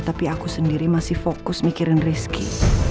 tapi aku sendiri masih fokus mikirin rizky